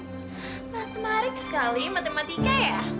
matemarik sekali matematika ya